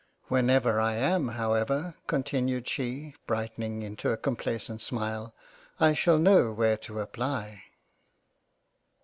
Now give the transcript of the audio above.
Whenever I am however continued she brightening into a complaisant smile, I shall know where to apply."